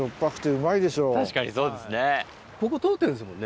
確かにそうですね。